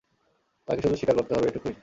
তাকে শুধু স্বীকার করতে হবে, এটুকুই।